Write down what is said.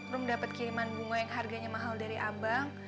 room dapat kiriman bunga yang harganya mahal dari abang